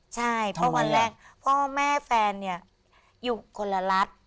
ใช่เพราะวันแรกพ่อแม่แฟนเนี่ยอยู่คนละรัฐ